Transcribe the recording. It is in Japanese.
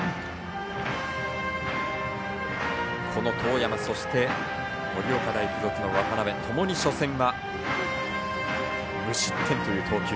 當山、そして盛岡大付属の渡邊ともに初戦は無失点という投球。